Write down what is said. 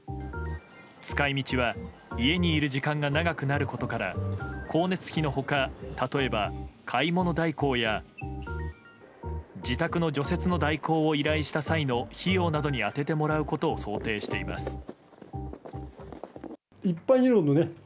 使い道は、家にいる時間が長くなることから光熱費の他、例えば買い物代行や自宅の除雪の代行を依頼した際の費用などに充ててもらうことを想定しています。